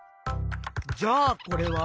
じゃあこれは？